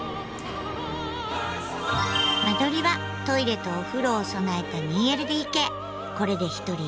間取りはトイレとお風呂を備えた２ＬＤＫ。